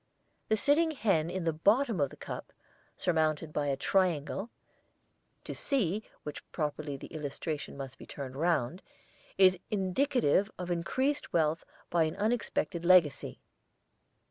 The sitting hen in the bottom of the cup, surmounted by a triangle (to see which properly the illustration must be turned round) is indicative of increased wealth by an unexpected legacy.